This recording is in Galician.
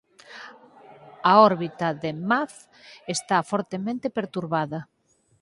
A órbita de Mab está fortemente perturbada.